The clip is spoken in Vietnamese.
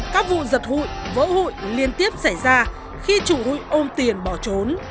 các vụ giật hụi vỡ hụi liên tiếp xảy ra khi chủ hụi ôm tiền bỏ trốn